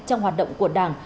trong hoạt động của đảng